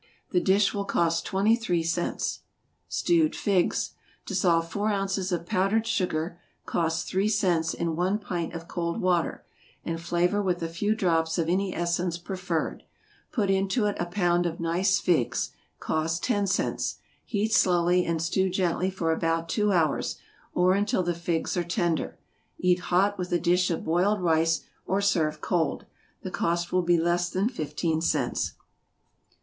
The dish will cost twenty three cents. =Stewed Figs.= Dissolve four ounces of powdered sugar, (cost three cents,) in one pint of cold water, and flavor with a few drops of any essence preferred; put into it a pound of nice figs, (cost ten cents,) heat slowly, and stew gently for about two hours, or until the figs are tender. Eat hot with a dish of boiled rice, or serve cold. The cost will be less than fifteen cents.